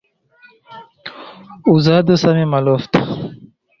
Uzado same malofta.